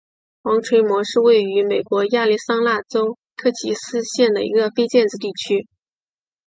黄锤磨是位于美国亚利桑那州科奇斯县的一个非建制地区。